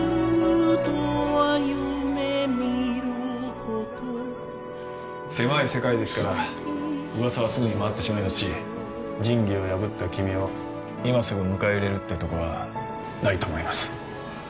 お帰り狭い世界ですから噂はすぐに回ってしまいますし仁義を破った君を今すぐ迎え入れるってとこはないと思います